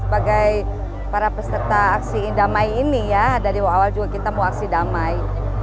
sebagai para peserta aksi damai ini ya dari awal juga kita mau aksi damai